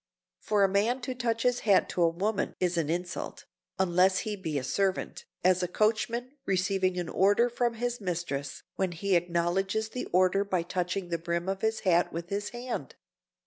For a man to touch his hat to a woman is an insult, unless he be a servant—as a coachman receiving an order from his mistress—when he acknowledges the order by touching the brim of his hat with his hand.